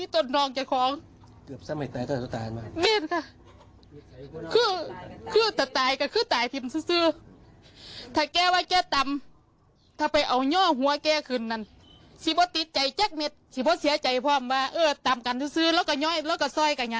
โทษทีเลยค่ะ